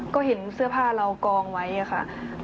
ก็เห็นเสื้อผ้าเรากองไว้ค่ะ